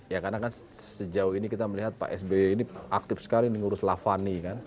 ya karena kan sejauh ini kita melihat pak sby ini aktif sekali mengurus lavani kan